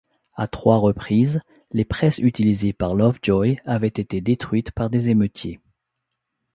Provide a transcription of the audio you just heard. À trois reprises, les presses utilisées par Lovejoy avaient été détruites par des émeutiers.